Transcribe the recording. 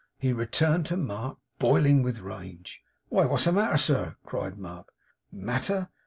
He returned to Mark, boiling with rage. 'Why, what's the matter, sir?' cried Mark. 'Matter!